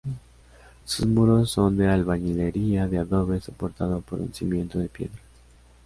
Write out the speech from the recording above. Sus muros son de albañilería de adobe soportado por un cimiento de piedras.